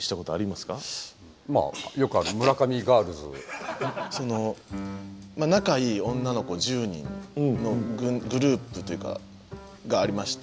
まあよくその仲いい女の子１０人のグループというかがありまして。